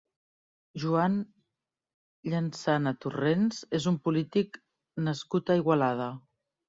Juan Llansana Torrents és un polític nascut a Igualada.